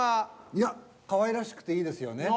いやかわいらしくていいですよね。